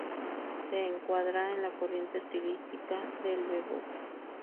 Se encuadra en la corriente estilística del "bebop".